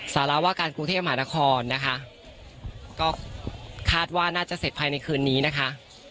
สารวาการกรุงเทพมหานครนะคะก็คาดว่าน่าจะเสร็จภายในคืนนี้นะคะ